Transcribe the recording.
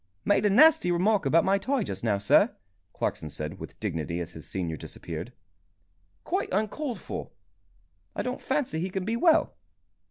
"Made a nasty remark about my tie just now, sir," Clarkson said, with dignity, as his senior disappeared. "Quite uncalled for. I don't fancy he can be well."